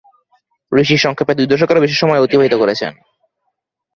ঋষি সংক্ষেপে দুই দশকেরও বেশি সময় অতিবাহিত করেছেন।